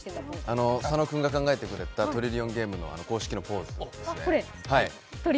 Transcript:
佐野君が考えてくれた「トリリオンゲーム」の公式のポーズですね。